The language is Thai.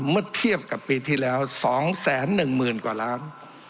เมื่อเทียบกับปีที่แล้ว๒๑๐๐๐กว่าล้าน